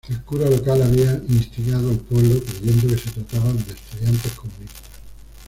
El cura local había instigado al pueblo, creyendo que se trataba de estudiantes comunistas.